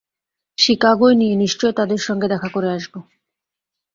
চিকাগোয় গিয়ে নিশ্চয় তাঁদের সঙ্গে দেখা করে আসব।